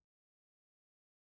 aku gak boleh tidur